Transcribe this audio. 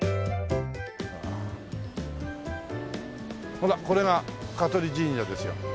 ほらこれが香取神社ですよ。